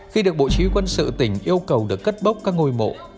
khi được bộ chí quân sự tỉnh yêu cầu được cất bốc các ngôi mộ